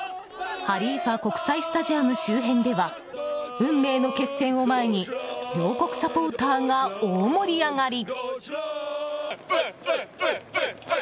ハリーファ国際スタジアム周辺では運命の決戦を前に両国サポーターが大盛り上がり。